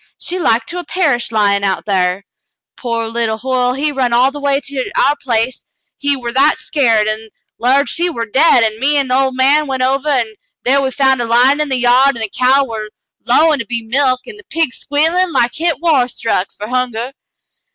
She like to 'a' perished lyin' out thar. Pore little Hoyle, he run all the way to our place he war that skeered, an' 'lowed she war dade, an' me an' the ol' man went ovah, an' thar we found her lyin' in the yard, an' the cow war lowin' to be milked, an' the pig squeelin' like hit war stuck, fer hunger.